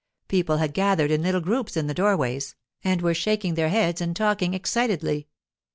People had gathered in little groups in the doorways, and were shaking their heads and talking excitedly.